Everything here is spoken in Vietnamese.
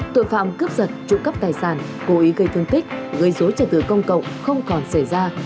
tội phạm cướp giật trụ cấp tài sản cố ý gây thương tích gây dối trật tự công cộng không còn xảy ra